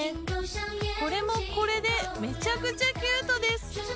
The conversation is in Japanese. これもこれでめちゃくちゃキュートです！